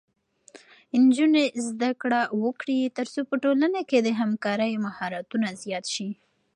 نجونې زده کړه وکړي ترڅو په ټولنه کې د همکارۍ مهارتونه زیات شي.